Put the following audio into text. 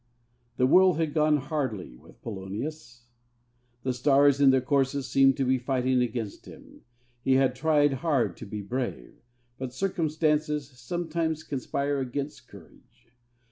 The world had gone hardly with Polonius. The stars in their courses seemed to be fighting against him. He had tried hard to be brave, but circumstances sometimes conspire against courage.